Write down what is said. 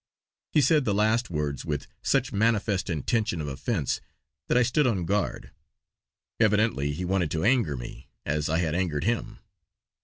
He said the last words with such manifest intention of offence that I stood on guard. Evidently he wanted to anger me, as I had angered him.